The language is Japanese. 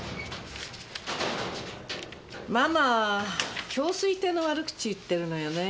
ママ京粋亭の悪口言ってるのよね